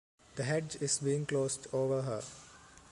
The hedge is being closed over her.